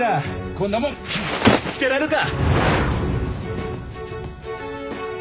こんなもん着てられるか。